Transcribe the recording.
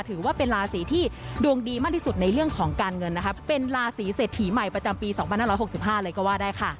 ถือว่าเป็นราศีที่ดวงดีมากที่สุดในเรื่องของการเงินนะคะเป็นราศีเศรษฐีใหม่ประจำปี๒๕๖๕เลยก็ว่าได้ค่ะ